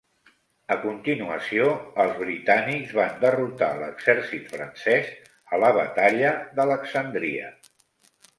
A continuació, els britànics van derrotar l'exèrcit francès a la batalla d'Alexandria.